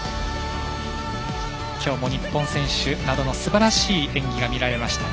今日も日本選手などのすばらしい演技が見られました